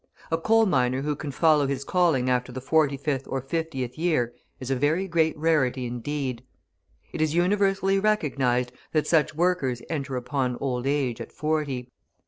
A coal miner who can follow his calling after the 45th or 50th year is a very great rarity indeed. It is universally recognised that such workers enter upon old age at forty.